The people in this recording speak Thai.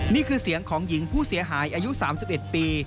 นี่คือเสียงของหญิงผู้เสียหายอายุสามสิบเอ็ดปี